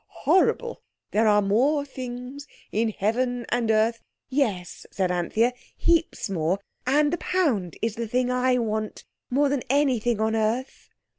Horrible! There are more things in heaven and earth—" "Yes," said Anthea, "heaps more. And the pound is the thing I want more than anything on earth."